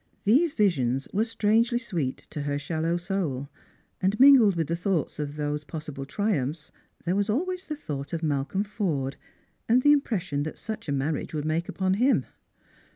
These visions were strangely sweet to her shallow soul: and mingled with the thoughts of those possible triumphs there waa always the thought of Malcolm Forde, and the impression that iuch a marriage would make upon him.